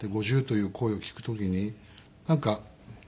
５０という声を聞く時になんか。